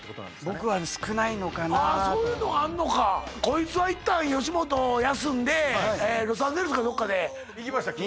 僕は少ないのかなとああそういうのあんのかこいつはいったん吉本を休んでロサンゼルスかどっかで行きましたっけ